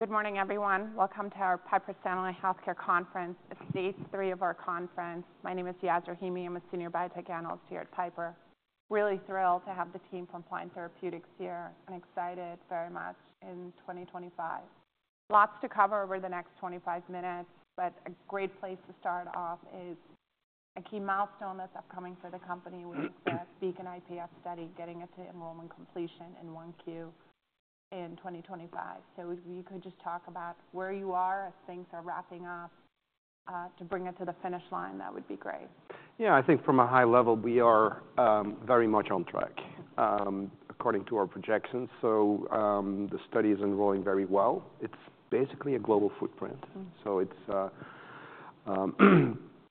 Good morning, everyone. Welcome to our Piper Sandler Healthcare Conference, the stage three of our conference. My name is Yaz Rahimi. I'm a senior biotech analyst here at Piper. Really thrilled to have the team from Pliant Therapeutics here and excited very much in 2025. Lots to cover over the next 25 minutes, but a great place to start off is a key milestone that's upcoming for the company with the BEACON-IPF study, getting it to enrollment completion in Q1 2025. So if you could just talk about where you are as things are wrapping up to bring it to the finish line, that would be great. Yeah, I think from a high level, we are very much on track according to our projections. So the study is enrolling very well. It's basically a global footprint. So it's,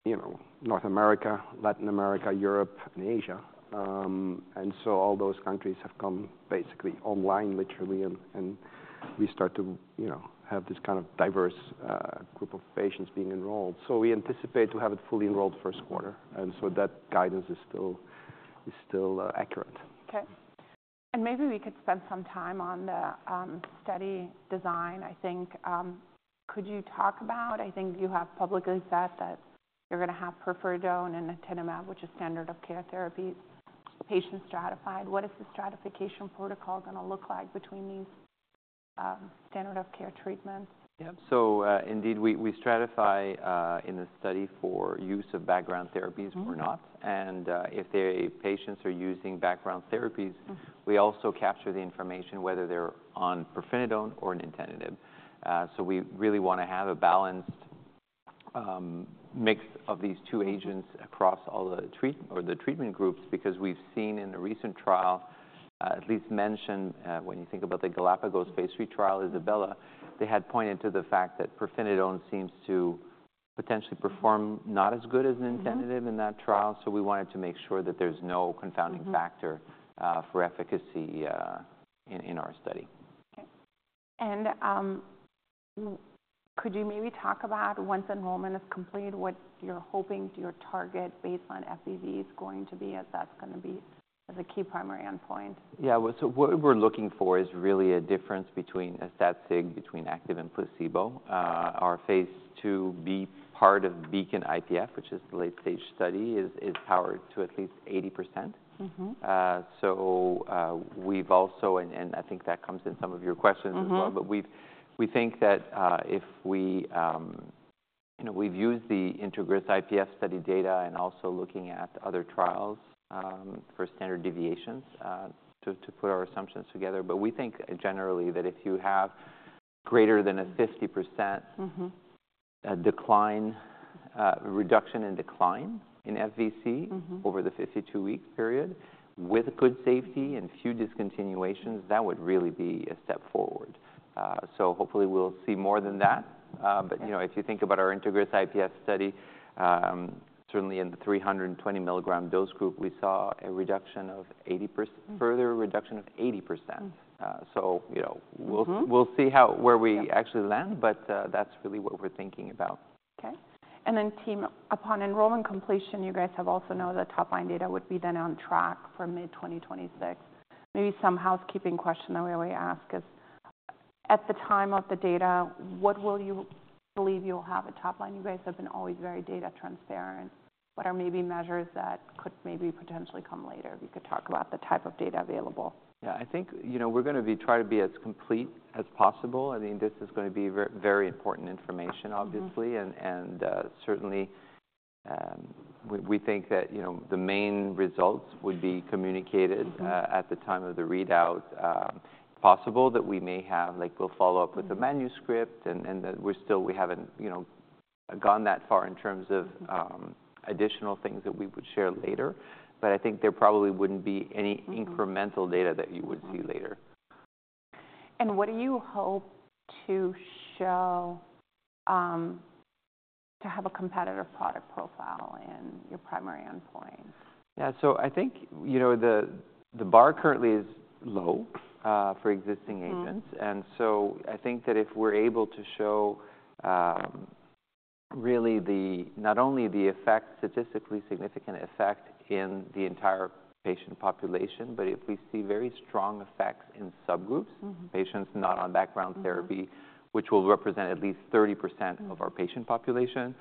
you know, North America, Latin America, Europe, and Asia. And so all those countries have come basically online, literally, and we start to, you know, have this kind of diverse group of patients being enrolled. So we anticipate to have it fully enrolled first quarter. And so that guidance is still accurate. Okay. And maybe we could spend some time on the study design. I think, could you talk about, I think you have publicly said that you're going to have pirfenidone and nintedanib, which is standard of care therapies, patient stratified. What is the stratification protocol going to look like between these standard of care treatments? Yeah, so indeed, we stratify in the study for use of background therapies or not. And if the patients are using background therapies, we also capture the information whether they're on pirfenidone or nintedanib. So we really want to have a balanced mix of these two agents across all the treatment groups because we've seen in a recent trial, at least mentioned when you think about the Galapagos phase 3 trial, ISABELLA, they had pointed to the fact that pirfenidone seems to potentially perform not as good as nintedanib in that trial. So we wanted to make sure that there's no confounding factor for efficacy in our study. Okay. And could you maybe talk about once enrollment is complete, what you're hoping your target baseline FVC is going to be as that's going to be the key primary endpoint? Yeah, so what we're looking for is really a difference between a stat sig between active and placebo. Our phase 2b part of BEACON-IPF, which is the late stage study, is powered to at least 80%. So we've also, and I think that comes in some of your questions as well, but we think that if we, you know, we've used the INTEGRAL-IPF study data and also looking at other trials for standard deviations to put our assumptions together. But we think generally that if you have greater than a 50% decline, reduction in decline in FVC over the 52-week period with good safety and few discontinuations, that would really be a step forward. So hopefully we'll see more than that. But, you know, if you think about our INTEGRAL-IPF study, certainly in the 320 milligram dose group, we saw a reduction of 80%, further reduction of 80%. So, you know, we'll see where we actually land, but that's really what we're thinking about. Okay. And then, team, upon enrollment completion, you guys have also known the top line data would be then on track for mid 2026. Maybe some housekeeping question that we always ask is at the time of the data, what will you believe you'll have a top line? You guys have been always very data transparent. What are maybe measures that could maybe potentially come later? If you could talk about the type of data available. Yeah, I think, you know, we're going to try to be as complete as possible. I think this is going to be very important information, obviously. And certainly we think that, you know, the main results would be communicated at the time of the readout. Possible that we may have, like we'll follow up with a manuscript and that we're still, we haven't, you know, gone that far in terms of additional things that we would share later. But I think there probably wouldn't be any incremental data that you would see later. What do you hope to show to have a competitive product profile in your primary endpoint? Yeah, so I think, you know, the bar currently is low for existing agents. And so I think that if we're able to show really not only the effect, statistically significant effect in the entire patient population, but if we see very strong effects in subgroups, patients not on background therapy, which will represent at least 30% of our patient population,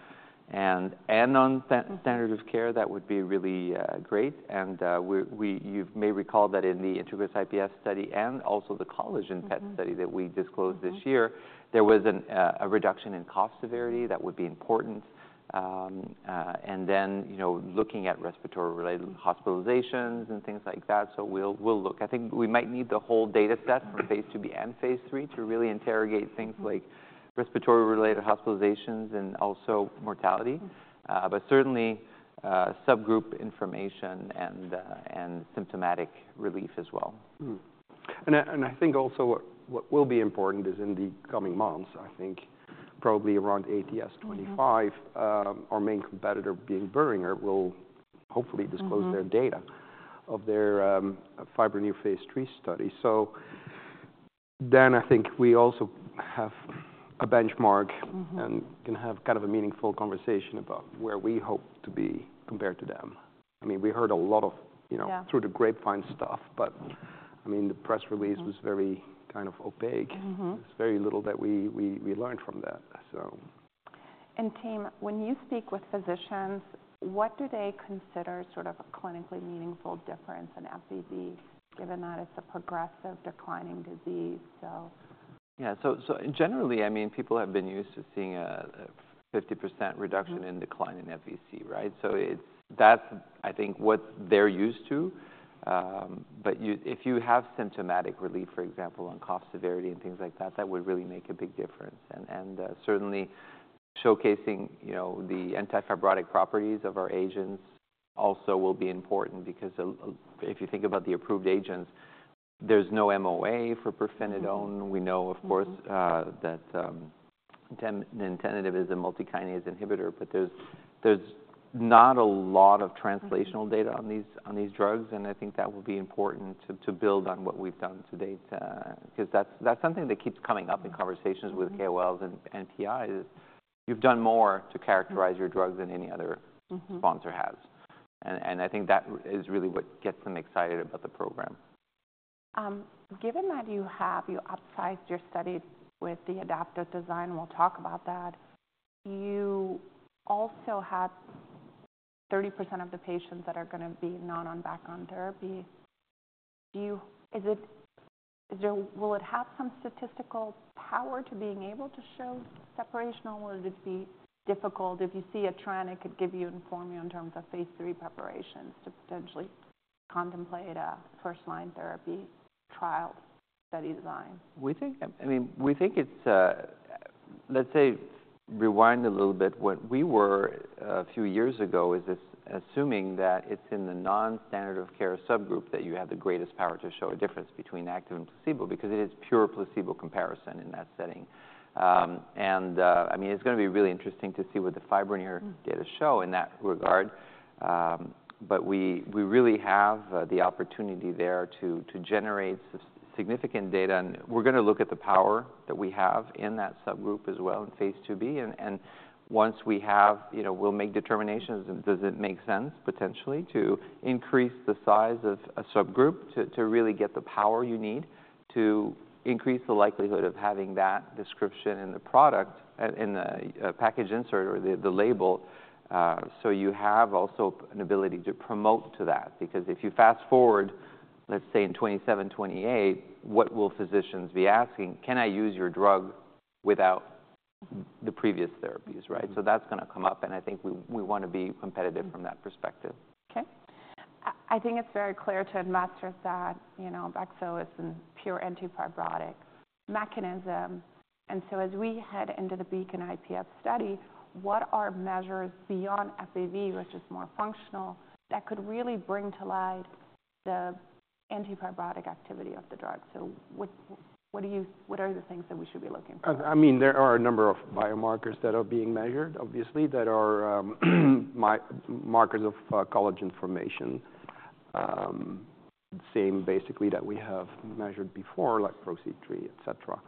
and on standard of care, that would be really great. And you may recall that in the INTEGRAL-IPF study and also the Collagen PET study that we disclosed this year, there was a reduction in cough severity that would be important. And then, you know, looking at respiratory related hospitalizations and things like that. So we'll look. I think we might need the whole data set from phase 2b and phase 3 to really interrogate things like respiratory related hospitalizations and also mortality. But certainly subgroup information and symptomatic relief as well. I think also what will be important is in the coming months. I think probably around ATS 2025, our main competitor being Boehringer will hopefully disclose their data of their FIBRONEER phase 3 study. Then I think we also have a benchmark and can have kind of a meaningful conversation about where we hope to be compared to them. I mean, we heard a lot of, you know, through the grapevine stuff, but I mean, the press release was very kind of opaque. It's very little that we learned from that. Team, when you speak with physicians, what do they consider sort of a clinically meaningful difference in FVC given that it's a progressive declining disease? Yeah, so generally, I mean, people have been used to seeing a 50% reduction in decline in FVC, right? So that's, I think what they're used to. But if you have symptomatic relief, for example, on cough severity and things like that, that would really make a big difference. And certainly showcasing, you know, the anti-fibrotic properties of our agents also will be important because if you think about the approved agents, there's no MOA for Pirfenidone. We know, of course, that Nintedanib is a multikinase inhibitor, but there's not a lot of translational data on these drugs. And I think that will be important to build on what we've done to date. Because that's something that keeps coming up in conversations with KOLs and PIs is you've done more to characterize your drug than any other sponsor has. I think that is really what gets them excited about the program. Given that you have upsized your study with the adaptive design, we'll talk about that. You also have 30% of the patients that are going to be not on background therapy. Will it have some statistical power to be able to show separation or will it be difficult if you see a trend it could inform you in terms of phase three preparations to potentially contemplate a first line therapy trial study design? I mean, we think it's, let's say rewind a little bit. What we were a few years ago is assuming that it's in the non-standard of care subgroup that you have the greatest power to show a difference between active and placebo because it is pure placebo comparison in that setting. And I mean, it's going to be really interesting to see what the FIBRONEER data show in that regard. But we really have the opportunity there to generate significant data. And we're going to look at the power that we have in that subgroup as well in phase 2b. And once we have, you know, we'll make determinations and does it make sense potentially to increase the size of a subgroup to really get the power you need to increase the likelihood of having that description in the product, in the package insert or the label. So you have also an ability to promote to that because if you fast forward, let's say in 2027, 2028, what will physicians be asking? Can I use your drug without the previous therapies, right? So that's going to come up. And I think we want to be competitive from that perspective. Okay. I think it's very clear to investors that, you know, Bexo is in pure anti-fibrotic mechanism. And so as we head into the Beacon-IPF study, what are measures beyond FVC, which is more functional that could really bring to light the anti-fibrotic activity of the drug? So what are the things that we should be looking for? I mean, there are a number of biomarkers that are being measured, obviously, that are markers of collagen formation, same basically that we have measured before, like PRO-C3, et cetera.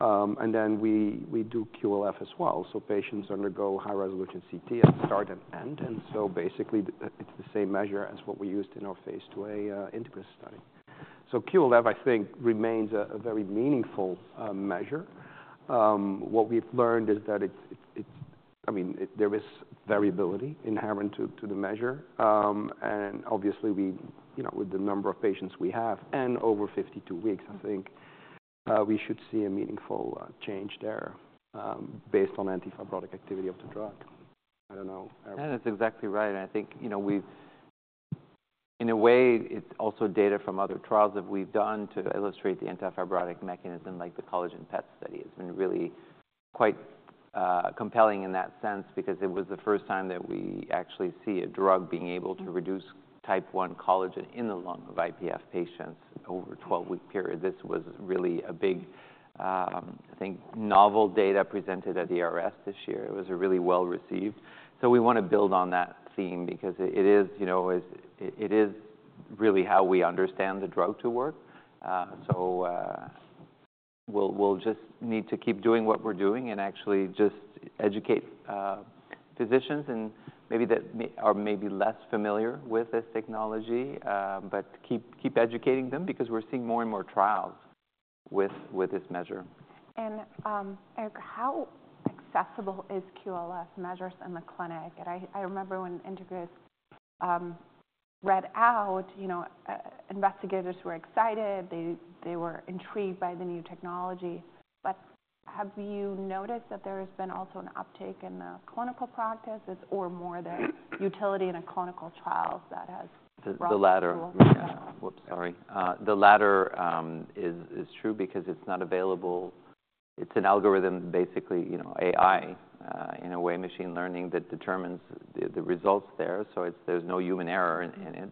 And then we do QLF as well. So patients undergo high-resolution CT at start and end. And so basically it's the same measure as what we used in our phase 2a INTEGRAL-IPF study. So QLF, I think, remains a very meaningful measure. What we've learned is that it's, I mean, there is variability inherent to the measure. And obviously, we, you know, with the number of patients we have and over 52 weeks, I think we should see a meaningful change there based on anti-fibrotic activity of the drug. I don't know. That is exactly right, and I think, you know, in a way, it's also data from other trials that we've done to illustrate the anti-fibrotic mechanism, like the Collagen PET study has been really quite compelling in that sense because it was the first time that we actually see a drug being able to reduce type one collagen in the lung of IPF patients over a 12-week period. This was really a big, I think, novel data presented at ERS this year. It was really well received, so we want to build on that theme because it is, you know, it is really how we understand the drug to work. So we'll just need to keep doing what we're doing and actually just educate physicians and maybe that are less familiar with this technology, but keep educating them because we're seeing more and more trials with this measure. How accessible is QLF measures in the clinic? I remember when INTEGRAL-IPF read out, you know, investigators were excited. They were intrigued by the new technology. Have you noticed that there has been also an uptake in the clinical practices or more than utility in a clinical trial that has? The latter. Whoops, sorry. The latter is true because it's not available. It's an algorithm, basically, you know, AI in a way, machine learning that determines the results there. So there's no human error in it,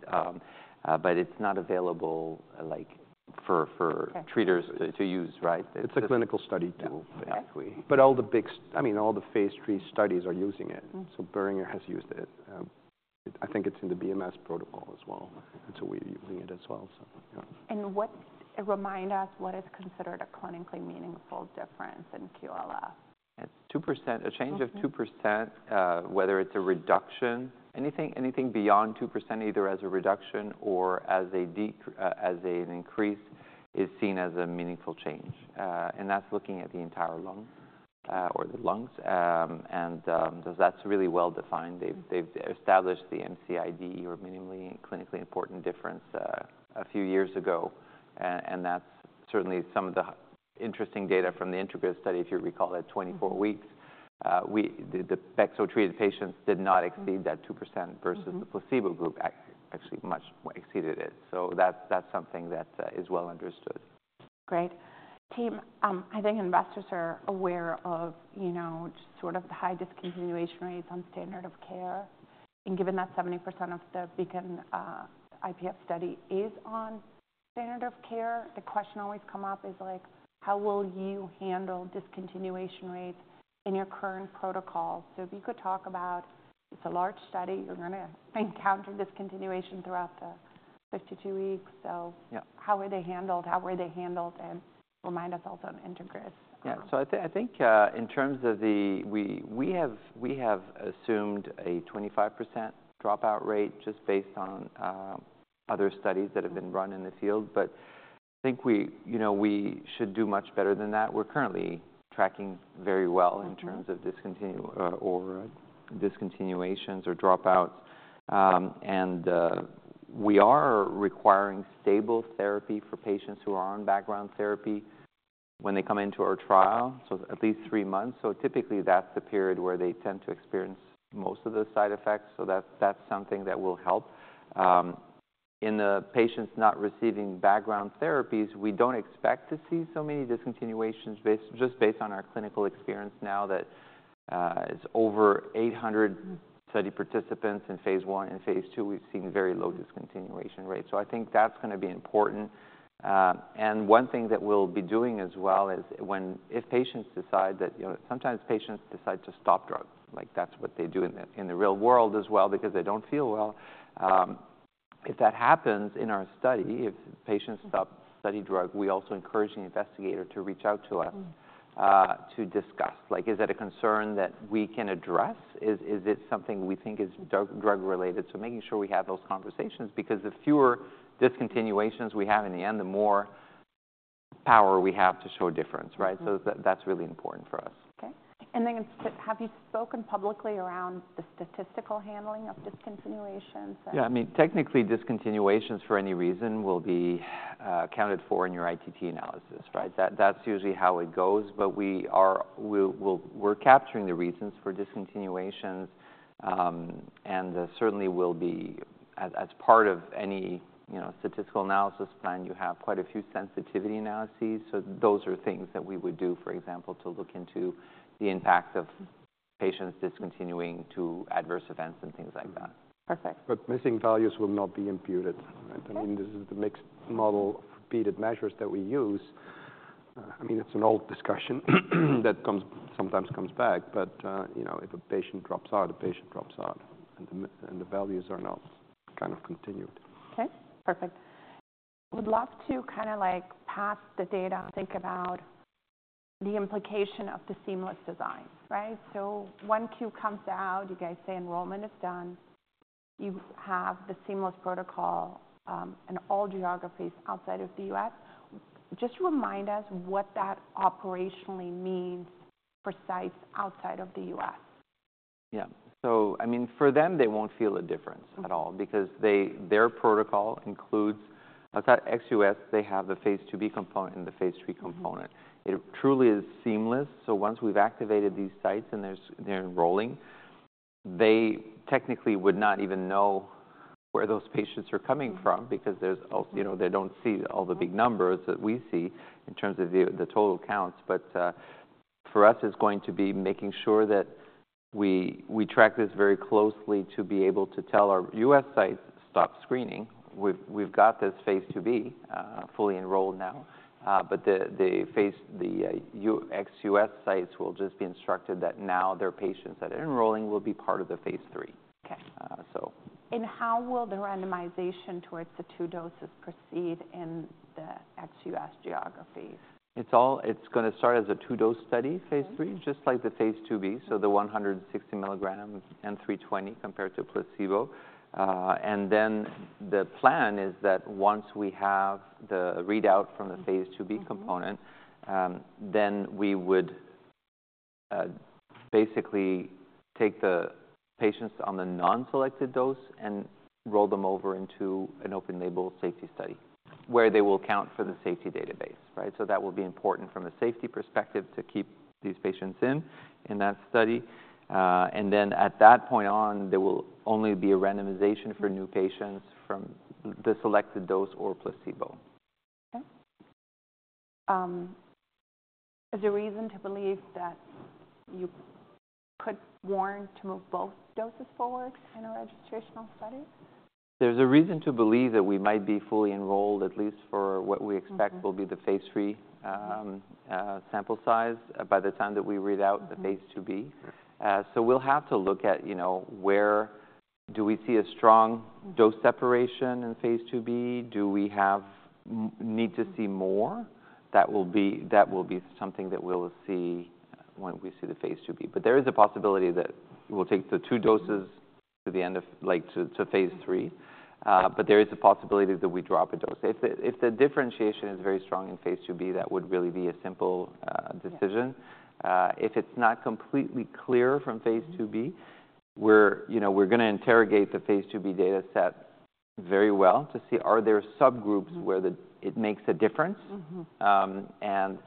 but it's not available like for treaters to use, right? It's a clinical study tool. But all the big, I mean, all the phase 3 studies are using it. So Boehringer has used it. I think it's in the BMS protocol as well. That's why we're using it as well. What reminds us what is considered a clinically meaningful difference in QLF? A change of 2%, whether it's a reduction, anything beyond 2%, either as a reduction or as an increase, is seen as a meaningful change. And that's looking at the entire lung or the lungs. And that's really well defined. They've established the MCID, or minimally clinically important difference, a few years ago. And that's certainly some of the interesting data from the INTEGRAL study, if you recall. At 24 weeks, the Bexo treated patients did not exceed that 2% versus the placebo group, actually much exceeded it. So that's something that is well understood. Great. Team, I think investors are aware of, you know, sort of the high discontinuation rates on standard of care. And given that 70% of the Beacon-IPF study is on standard of care, the question always comes up is like, how will you handle discontinuation rates in your current protocols? So if you could talk about, it's a large study, you're going to encounter discontinuation throughout the 52 weeks. So how were they handled? How were they handled? And remind us also on integral. Yeah, so I think in terms of the, we have assumed a 25% dropout rate just based on other studies that have been run in the field, but I think we, you know, we should do much better than that. We're currently tracking very well in terms of discontinuations or dropouts, and we are requiring stable therapy for patients who are on background therapy when they come into our trial, so at least three months. So typically that's the period where they tend to experience most of the side effects, so that's something that will help. In the patients not receiving background therapies, we don't expect to see so many discontinuations just based on our clinical experience now that it's over 800 study participants in phase one and phase two, we've seen very low discontinuation rates, so I think that's going to be important. And one thing that we'll be doing as well is when if patients decide that, you know, sometimes patients decide to stop drugs, like that's what they do in the real world as well because they don't feel well. If that happens in our study, if patients stop study drug, we also encourage the investigator to reach out to us to discuss, like is it a concern that we can address? Is it something we think is drug related? So making sure we have those conversations because the fewer discontinuations we have in the end, the more power we have to show difference, right? So that's really important for us. Okay. And then have you spoken publicly around the statistical handling of discontinuations? Yeah, I mean, technically discontinuations for any reason will be accounted for in your ITT analysis, right? That's usually how it goes. But we are capturing the reasons for discontinuations. And certainly we'll be, as part of any statistical analysis plan, you have quite a few sensitivity analyses. So those are things that we would do, for example, to look into the impact of patients discontinuing to adverse events and things like that. Perfect. But missing values will not be imputed. I mean, this is the mixed model of repeated measures that we use. I mean, it's an old discussion that sometimes comes back, but you know, if a patient drops out, a patient drops out and the values are not kind of continued. Okay. Perfect. We'd love to kind of like pass the data, think about the implication of the seamless design, right? So 1Q comes out, you guys say enrollment is done. You have the seamless protocol in all geographies outside of the U.S. Just remind us what that operationally means for sites outside of the U.S.? Yeah. So I mean, for them, they won't feel a difference at all because their protocol includes outside ex-US. They have the phase 2b component and the phase 3 component. It truly is seamless. So once we've activated these sites and they're enrolling, they technically would not even know where those patients are coming from because they don't see all the big numbers that we see in terms of the total counts. But for us, it's going to be making sure that we track this very closely to be able to tell our U.S. sites stop screening. We've got this phase 2b fully enrolled now. But the ex-US sites will just be instructed that now their patients that are enrolling will be part of the phase 3. Okay, and how will the randomization towards the two doses proceed in the ex-U.S. geographies? It's going to start as a two-dose study, phase 3, just like the phase 2b. So the 160 milligrams and 320 compared to placebo. And then the plan is that once we have the readout from the phase 2b component, then we would basically take the patients on the non-selected dose and roll them over into an open-label safety study where they will count for the safety database, right? So that will be important from a safety perspective to keep these patients in that study. And then at that point on, there will only be a randomization for new patients from the selected dose or placebo. Okay. Is there a reason to believe that you could warrant to move both doses forward in a registrational study? There's a reason to believe that we might be fully enrolled, at least for what we expect will be the phase 3 sample size by the time that we read out the phase 2b. So we'll have to look at, you know, where do we see a strong dose separation in phase 2b? Do we need to see more? That will be something that we'll see when we see the phase 2b. But there is a possibility that we'll take the two doses to the end of, like to phase 3. But there is a possibility that we drop a dose. If the differentiation is very strong in phase 2b, that would really be a simple decision. If it's not completely clear from phase 2b, we're, you know, going to interrogate the phase 2b data set very well to see are there subgroups where it makes a difference, and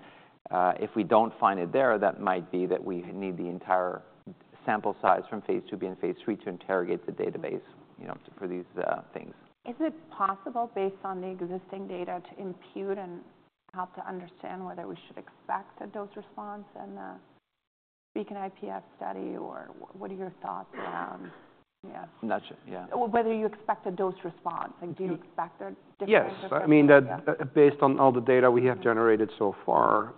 if we don't find it there, that might be that we need the entire sample size from phase 2b and phase 3 to interrogate the database, you know, for these things. Is it possible based on the existing data to impute and help to understand whether we should expect a dose response in the Beacon-IPF study or what are your thoughts around? I'm not sure, yeah. Whether you expect a dose response? Like, do you expect a different response? Yes. I mean, based on all the data we have generated so far,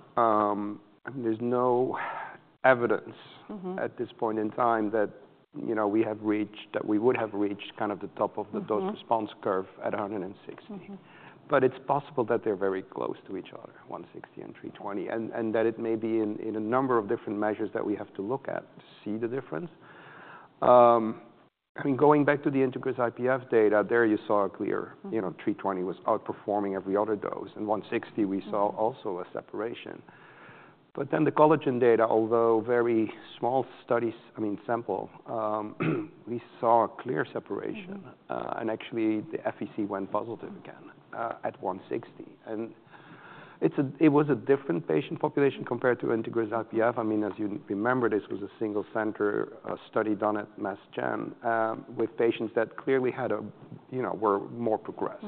there's no evidence at this point in time that, you know, we have reached, that we would have reached kind of the top of the dose response curve at 160. But it's possible that they're very close to each other, 160 and 320. And that it may be in a number of different measures that we have to look at to see the difference. I mean, going back to the INTEGRAL-IPF data, there you saw a clear, you know, 320 was outperforming every other dose. And 160, we saw also a separation. But then the collagen data, although very small studies, I mean, sample, we saw a clear separation. And actually the FVC went positive again at 160. And it was a different patient population compared to INTEGRAL-IPF. I mean, as you remember, this was a single-center study done at Mass Gen with patients that clearly had a, you know, were more progressed.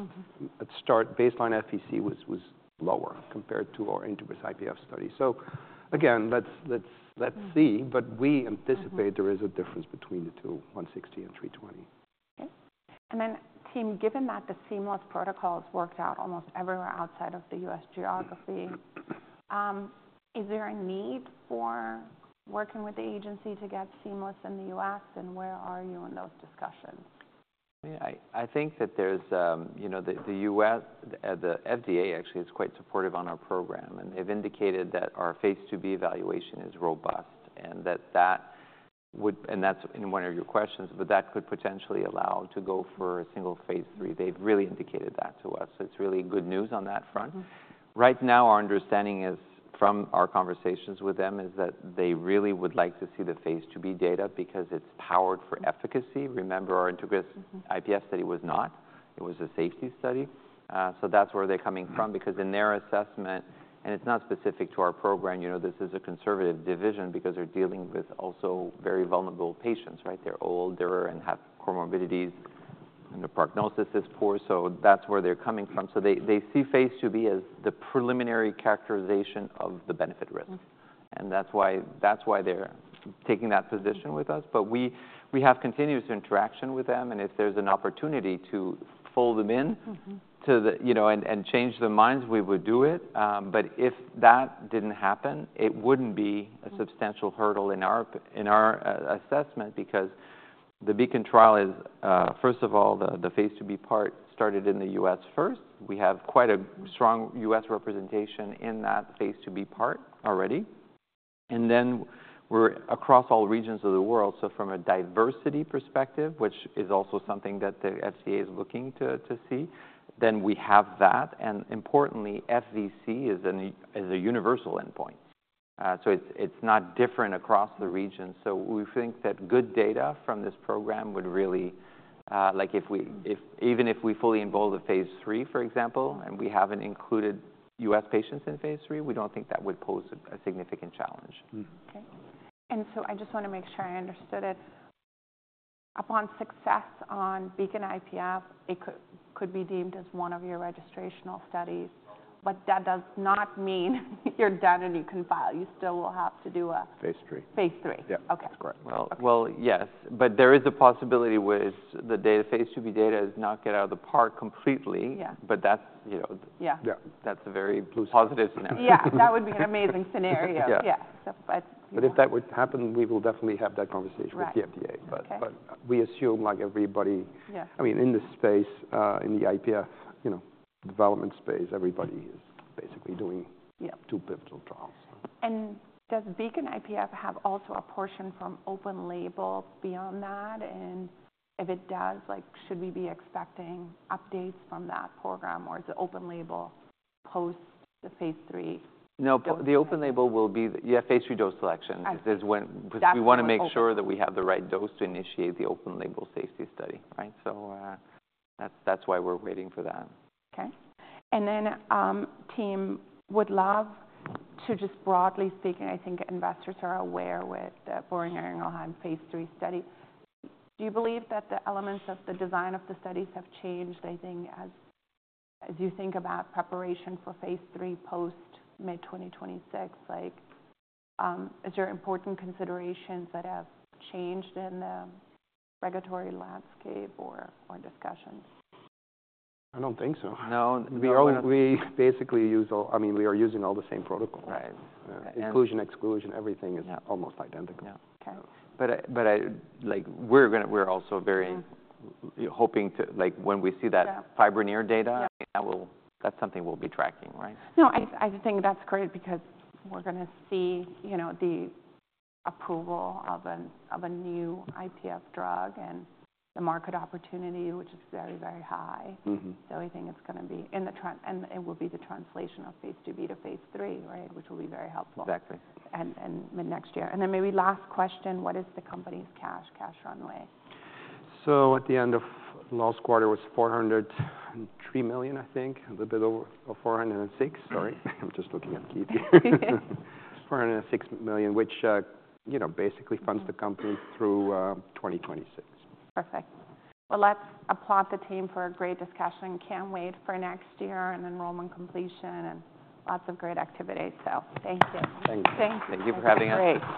At start, baseline FVC was lower compared to our INTEGRAL-IPF study. So again, let's see. But we anticipate there is a difference between the two, 160 and 320. Okay. And then team, given that the seamless protocol has worked out almost everywhere outside of the U.S. geography, is there a need for working with the agency to get seamless in the U.S.? And where are you in those discussions? I mean, I think that there's, you know, the U.S., the FDA actually is quite supportive on our program, and they've indicated that our phase 2b evaluation is robust and that that would, and that's in one of your questions, but that could potentially allow to go for a single phase 3. They've really indicated that to us, so it's really good news on that front. Right now, our understanding is from our conversations with them is that they really would like to see the phase 2b data because it's powered for efficacy. Remember, our INTEGRAL-IPF study was not. It was a safety study, so that's where they're coming from because in their assessment, and it's not specific to our program, you know, this is a conservative division because they're dealing with also very vulnerable patients, right? They're older and have comorbidities and their prognosis is poor. So that's where they're coming from. So they see phase 2b as the preliminary characterization of the benefit risk. And that's why they're taking that position with us. But we have continuous interaction with them. And if there's an opportunity to pull them in to the, you know, and change their minds, we would do it. But if that didn't happen, it wouldn't be a substantial hurdle in our assessment because the Beacon trial is, first of all, the phase 2b part started in the U.S. first. We have quite a strong U.S. representation in that phase 2b part already. And then we're across all regions of the world. So from a diversity perspective, which is also something that the FDA is looking to see, then we have that. And importantly, FVC is a universal endpoint. So it's not different across the region. So we think that good data from this program would really, like if we, even if we fully enroll the phase three, for example, and we haven't included U.S. patients in phase three, we don't think that would pose a significant challenge. Okay. And so I just want to make sure I understood it. Upon success on Beacon-IPF, it could be deemed as one of your registrational studies. But that does not mean you're done and you can file. You still will have to do a. Phase three. Phase three. Yeah. Okay. That's correct. Well, yes. But there is a possibility with the phase 2b data is not get out of the park completely. But that's, you know, that's a very positive scenario. Yeah. That would be an amazing scenario. Yeah. But if that would happen, we will definitely have that conversation with the FDA. But we assume like everybody, I mean, in the space, in the IPF, you know, development space, everybody is basically doing two pivotal trials. And does Beacon-IPF have also a portion from open label beyond that? And if it does, like should we be expecting updates from that program or is the open label post the phase three? No, the open label will be, yeah, phase three dose selection. Because we want to make sure that we have the right dose to initiate the open label safety study, right? So that's why we're waiting for that. Okay. And then, team, would love to just broadly speaking, I think investors are aware of the Boehringer's ongoing phase three study. Do you believe that the elements of the design of the studies have changed, I think, as you think about preparation for phase three post mid 2026? Like, is there important considerations that have changed in the regulatory landscape or discussions? I don't think so. No. We basically use, I mean, we are using all the same protocol. Inclusion, exclusion, everything is almost identical. But like we're also very hoping to, like when we see that FIBRONEER data, that's something we'll be tracking, right? No. I think that's great because we're going to see, you know, the approval of a new IPF drug and the market opportunity, which is very, very high. So I think it's going to be in the trend and it will be the translation of phase 2b to phase 3, right? Which will be very helpful. Exactly. And next year. And then maybe last question, what is the company's cash runway? So at the end of last quarter was $403 million, I think, a little bit over $406. Sorry, I'm just looking at Keith here. $406 million, which, you know, basically funds the company through 2026. Perfect. Well, let's applaud the team for a great discussion. Can't wait for next year and enrollment completion and lots of great activity. So thank you. Thank you. Thank you for having us. Thank you.